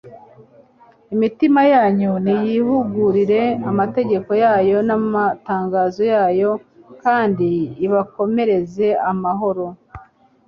imitima yanyu niyihugurire amategeko yayo n'amatangazo yayo kandi ibakomereze amahoro